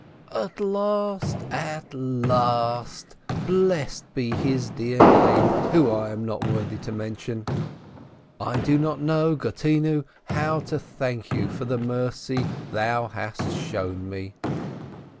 "At last, at last ! Blessed be His dear Name, whom I am not worthy to mention ! I do not know, Gottinyu, how to thank Thee for the mercy Thou hast shown me.